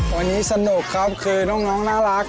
วันนี้สนุกครับคือน้องน่ารัก